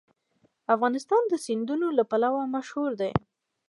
افغانستان د سیندونه لپاره مشهور دی.